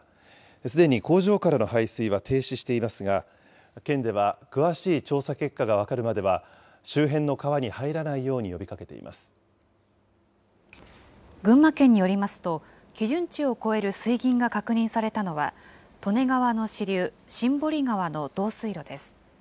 すでに工場からの排水は停止していますが、県では詳しい調査結果が分かるまでは、周辺の川に入らないように群馬県によりますと、基準値を超える水銀が確認されたのは、利根川の支流、新堀川の導水路です。